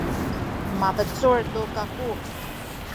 mabecul tu kaku.